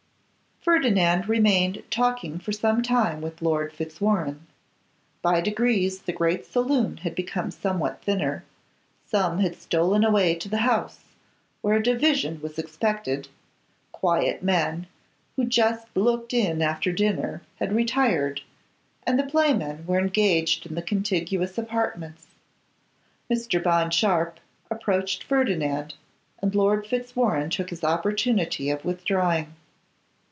Ferdinand remained talking for some time with Lord Fitzwarrene. By degrees the great saloon had become somewhat thinner: some had stolen away to the House, where a division was expected; quiet men, who just looked in after dinner, had retired; and the play men were engaged in the contiguous apartments. Mr. Bond Sharpe approached Ferdinand, and Lord Fitzwarrene took this opportunity of withdrawing.